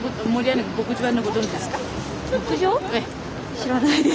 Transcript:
知らないです。